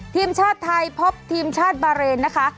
ทีมชาติไทยพบทีมชาติบาเรนนะคะ